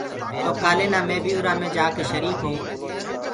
تو ڪآلي نآ مي بي اُرا مي جآڪي شريٚڪ هويوٚنٚ۔